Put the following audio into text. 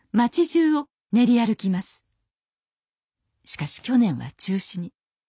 しかし去年は中止に。